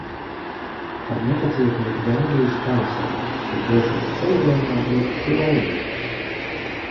Ar nepacietību gaidīšu pavasari, kad došos ceļojumā uz Poliju!